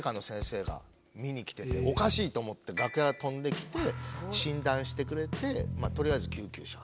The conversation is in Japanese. おかしいと思って楽屋飛んできて診断してくれて取りあえず救急車。